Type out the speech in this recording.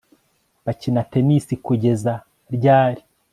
bakina tennis kugeza ryari